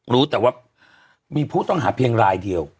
รู้แต่ว่ามีผู้ต้องหาเพียงรายเดียว